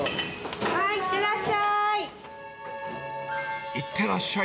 はーい、いってらっしゃい。